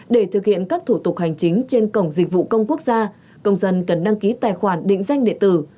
để thực hiện các thủ tục hành chính trên cổng dịch vụ công quốc gia công dân cần đăng ký tài khoản định danh địa tử